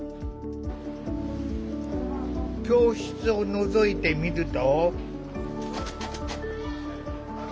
教室をのぞいてみると。